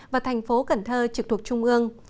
và thành phố cần thơ trực thuộc trung ương